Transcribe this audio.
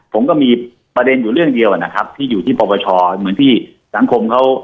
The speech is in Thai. ผมก็มีประเด็นอยู่เรื่องเดียวนะครับที่อยู่ที่ปปชเหมือนที่สังคมเขา